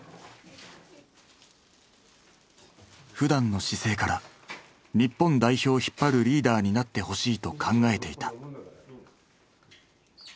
ふだんの姿勢から日本代表を引っ張るリーダーになってほしいと考えていた。